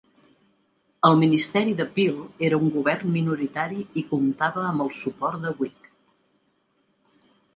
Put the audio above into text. El ministeri de Peel era un govern minoritari i comptava amb el suport de Whig.